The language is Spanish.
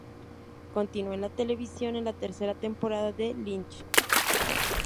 Continuó en televisión en la tercera temporada de "Lynch".